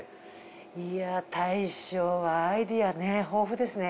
いや大将アイデア豊富ですね。